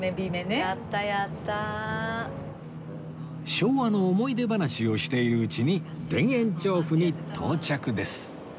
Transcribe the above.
昭和の思い出話をしているうちに田園調布に到着です